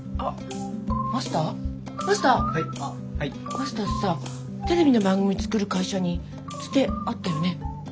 マスターさテレビの番組作る会社にツテあったよね？